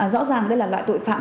rõ ràng đây là loại tội phạm